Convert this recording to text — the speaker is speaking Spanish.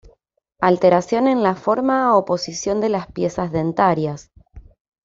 Alteración en la forma o posición de las piezas dentarias.